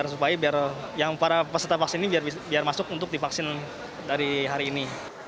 supaya yang para peserta vaksin ini biar masuk untuk divaksin dari hari ini